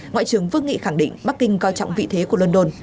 ngoại trưởng vương nghị khẳng định bắc kinh coi trọng vị thế của london